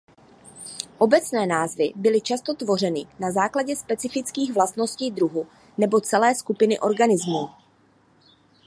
Obecné názvy byly často tvořeny na základě specifických vlastností druhu nebo celé skupiny organismů.